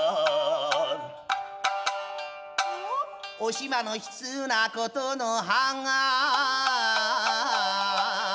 「おしまの悲痛な言の葉が」